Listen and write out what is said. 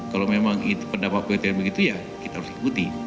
kalau memang pendapat ptn begitu ya kita harus ikuti